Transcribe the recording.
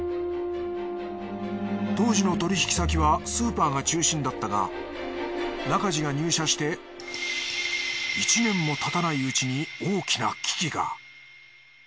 当時の取引先はスーパーが中心だったが中路が入社して１年も経たないうちに大きな危機が。